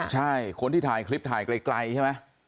ใช่คนที่ถ่ายคลิปถ่ายไกลใช่ไหม